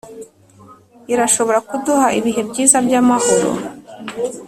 irashobora kuduha ibihe byiza byamahoro.